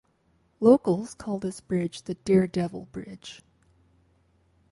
Locals call this bridge the Daredevil Bridge.